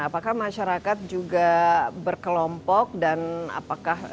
apakah masyarakat juga berkelompok dan apakah